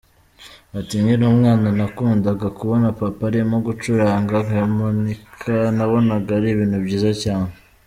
Ati “Nkiri umwana nakundaga kubona Papa arimo gucuranga harmonica, nabonaga ari ibintu byiza cyane.